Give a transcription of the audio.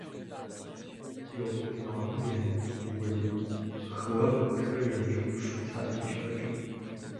有芒筱竹为禾本科筱竹属下的一个种。